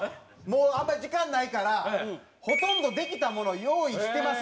もうあんまり時間ないから「ほとんど出来た物用意してます」